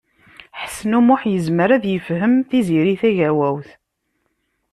Ḥsen U Muḥ yezmer ad yefhem Tiziri Tagawawt.